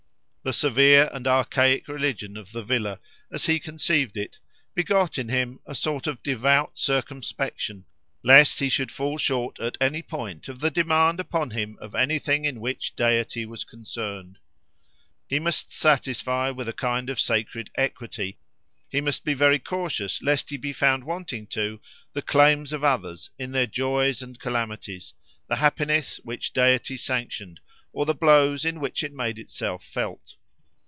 The severe and archaic religion of the villa, as he conceived it, begot in him a sort of devout circumspection lest he should fall short at any point of the demand upon him of anything in which deity was concerned. He must satisfy with a kind of sacred equity, he must be very cautious lest he be found wanting to, the claims of others, in their joys and calamities—the happiness which deity sanctioned, or the blows in which it made itself felt.